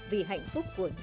vì hạnh phúc của nhân dân